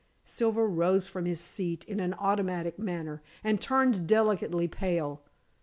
Silver rose from his seat in an automatic manner, and turned delicately pale.